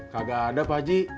kagak ada pak haji